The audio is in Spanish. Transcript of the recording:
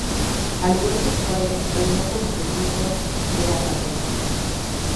Al igual que su padre, reinó como súbdito de Agamenón.